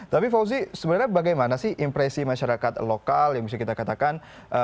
tapi fauzi sebenarnya bagaimana sih impresi masyarakat lokal yang bisa kita katakan